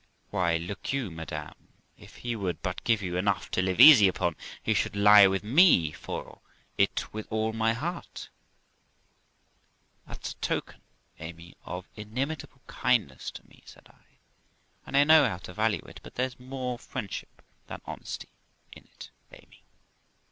'Why, look you, madam; if he would but give you enough to live easy upon, he should lie with me for it with all my heart.' 'That's a token, Amy, of inimitable kindness to me', said I, 'and I know how to value it; but there's more friendship than honesty in it, Amy.'